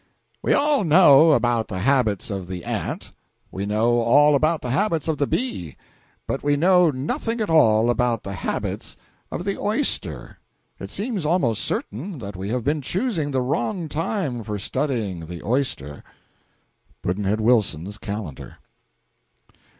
We know all about the habits of the ant, we know all about the habits of the bee, but we know nothing at all about the habits of the oyster. It seems almost certain that we have been choosing the wrong time for studying the oyster. Pudd'nhead Wilson's Calendar.